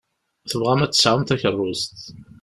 Tembɣam ad tesɛum takeṛṛust.